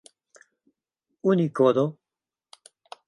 unikodo